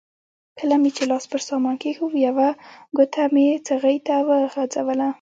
کله چې مې لاس پر سامان کېښود یوه ګوته مې څغۍ ته وغځوله.